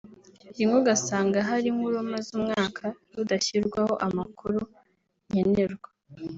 rimwe ugasanga hari nk’urumaze umwaka rudashyirwaho amakuru nkenerwa